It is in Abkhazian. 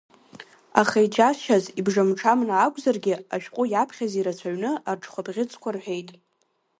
Аха иџьасшьаз, ибжамҽамны акәзаргьы, ашәҟәы иаԥхьаз ирацәаҩны арҽхәаԥхьыӡқәа рҳәеит.